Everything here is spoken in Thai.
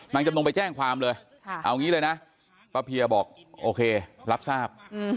จำนงไปแจ้งความเลยเอางี้เลยนะป้าเพียบอกโอเครับทราบ